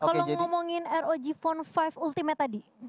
kalau ngomongin rog phone lima ultimate tadi